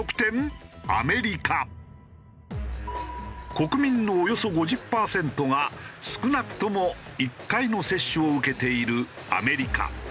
国民のおよそ５０パーセントが少なくとも１回の接種を受けているアメリカ。